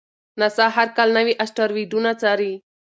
ناسا هر کال نوي اسټروېډونه څاري.